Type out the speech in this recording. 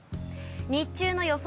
日中の予想